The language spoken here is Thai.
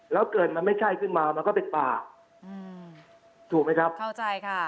แล้วเกิดมันไม่ใช่ขึ้นมามันก็เป็นป่าอืมถูกไหมครับเข้าใจค่ะ